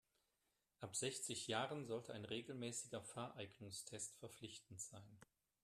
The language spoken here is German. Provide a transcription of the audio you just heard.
Ab sechzig Jahren sollte ein regelmäßiger Fahreignungstest verpflichtend sein.